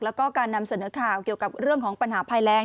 แล้วก็การนำเสนอข่าวเกี่ยวกับเรื่องของปัญหาภัยแรง